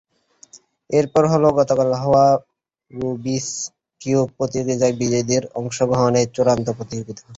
এরপর হলো গতকাল হওয়া রুবিকস কিউব প্রতিযোগিতায় বিজয়ীদের অংশগ্রহণে চূড়ান্ত প্রতিযোগিতা।